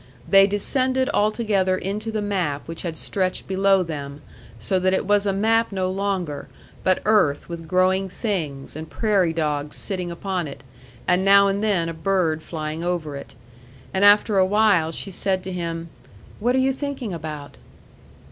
They descended altogether into the map which had stretched below them, so that it was a map no longer, but earth with growing things, and prairie dogs sitting upon it, and now and then a bird flying over it. And after a while she said to him, "What are you thinking about?"